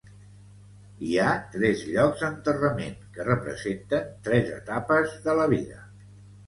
Hi ha tres llocs d'enterrament que representen tres etapes de la vida.